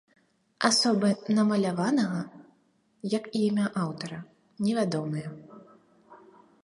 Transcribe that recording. Асоба намаляванага, як і імя аўтара, невядомыя.